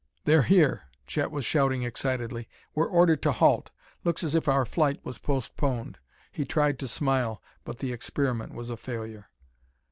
"They're here!" Chet was shouting excitedly. "We're ordered to halt. Looks as if our flight was postponed." He tried to smile, but the experiment was a failure.